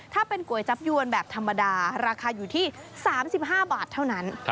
ถ้าเป็นก๋วยจับยวนแบบธรรมดาราคาอยู่ที่๓๕บาทเท่านั้น